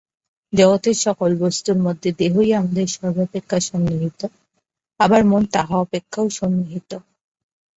জগতের সকল বস্তুর মধ্যে দেহই আমাদের সর্বাপেক্ষা সন্নিহিত, আবার মন তাহা অপেক্ষাও সন্নিহিত।